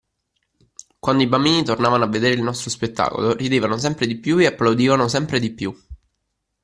Quando i bambini tornavano a vedere il nostro spettacolo ridevano sempre di più e applaudivano sempre di più.